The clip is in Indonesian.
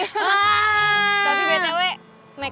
tapi btw meg